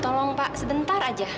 tolong pak sebentar aja